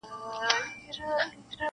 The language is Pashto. ورور د وجدان اور کي سوځي,